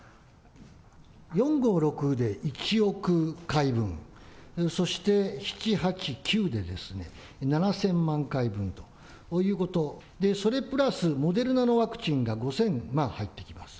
４、５、６で１億回分、そして７、８、９で７０００万回分ということで、それプラスモデルナのワクチンが５０００入ってきます。